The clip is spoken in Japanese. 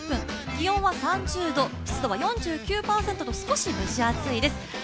気温は３０度、湿度は４９％と少し蒸し暑いです。